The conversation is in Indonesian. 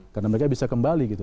karena mereka bisa kembali gitu